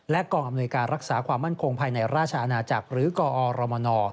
กองอำนวยการรักษาความมั่นคงภายในราชอาณาจักรหรือกอรมน